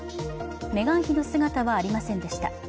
メガン妃の姿はありませんでした。